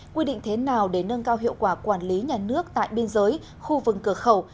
quy định thế nào để nâng cao hiệu quả quản lý nhà nước tại biên giới khu vực cửa khẩu